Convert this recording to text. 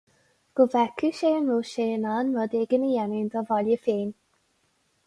Go bhfeicfeadh sé an raibh sé in ann rud éigin a dhéanamh dá bhaile féin.